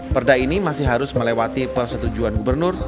perda ini masih harus melewati persetujuan gubernur